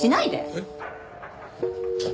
えっ。